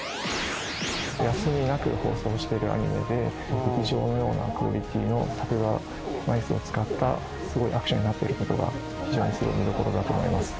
休みなく放送してるアニメで劇場のようなクオリティーの作画枚数を使ったすごいアクションになっていることが非常にすごい見どころだと思います。